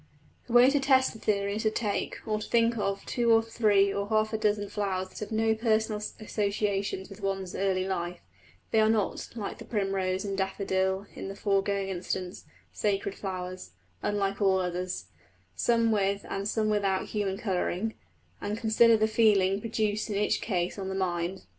The way to test the theory is to take, or think of, two or three or half a dozen flowers that have no personal associations with one's own early life that are not, like the primrose and daffodil in the foregoing instance, sacred flowers, unlike all others; some with and some without human colouring, and consider the feeling produced in each case on the mind.